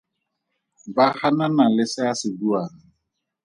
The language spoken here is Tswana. Ba ganana le se a se buang.